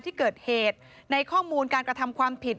ที่เกิดเหตุในข้อมูลการกระทำความผิด